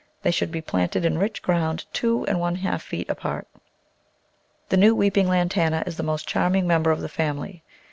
They should be planted in rich ground two and one* half feet apart. The new Weeping Lantana is the most charming member of the family.